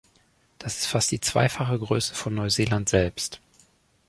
Das ist fast die zweifache Größe von Neuseeland selbst.